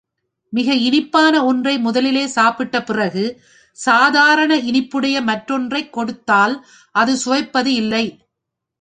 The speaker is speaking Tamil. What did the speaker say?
மிக இனிப்பான ஒன்றை முதலிலே சாப்பிட்ட பிறகு, சாதாரண இனிப்புடைய மற்றொன்றைக் கொடுத்தால் அது சுவைப்பது இல்லை.